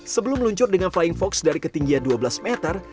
sebelum meluncur dengan flying fox dari ketinggian dua belas meter